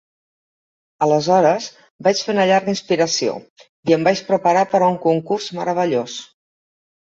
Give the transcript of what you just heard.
Aleshores, vaig fer una llarga inspiració i em vaig preparar per a un concurs meravellós.